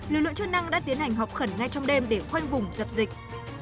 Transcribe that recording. lực lượng chức năng đã tiến hành họp khẩn ngay trong đêm để khoanh vùng dập dịch